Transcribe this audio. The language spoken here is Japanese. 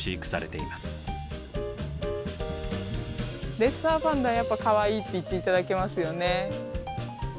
レッサーパンダやっぱ「かわいい」って言って頂けますよね。